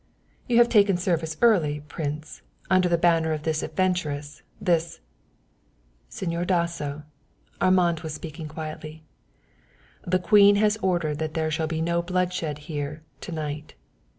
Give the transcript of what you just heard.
"You have taken service early, prince, under the banner of this adventuress, this " "Señor Dasso," Armand was speaking quietly, "the Queen has ordered that there shall be no bloodshed here to night.